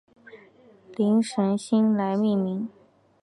灵神星来命名。